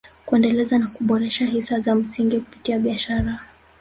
Kuendeleza na kuboresha hisa za msingi kupitia biashara